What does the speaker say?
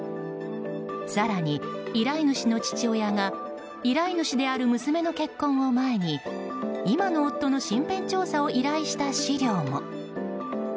更に依頼主の父親が依頼主である娘の結婚を前に今の夫の身辺調査を依頼した資料も。